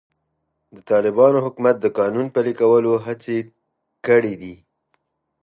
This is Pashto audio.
د طالبانو حکومت د قانون پلي کولو هڅې کړې دي.